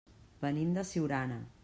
Venim de Siurana.